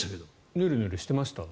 ヌルヌルしてました？